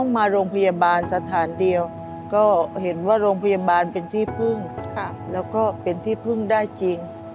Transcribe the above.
แม่นี่แหละเป็นคนที่พาไปหาหมอ